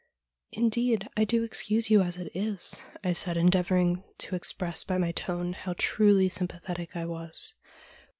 'Indeed, I do excuse you as it is,' I said, endeavouring to express by my tone how truly sympathetic I was.